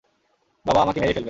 বাবা আমাকে মেরেই ফেলবে।